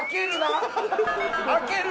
開けるな。